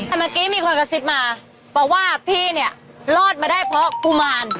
เมื่อกี้มีคนกระซิบมาบอกว่าพี่เนี่ยรอดมาได้เพราะกุมาร